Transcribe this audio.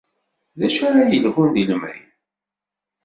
D acu ara yilhun di lemri.